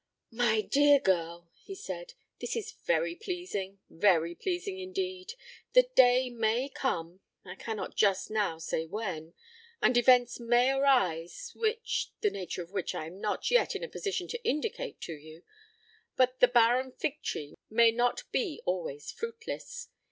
"My dear girl," he said, "this is very pleasing, very pleasing indeed. The day may come I cannot just now say when and events may arise which the nature of which I am not yet in a position to indicate to you but the barren fig tree may not be always fruitless.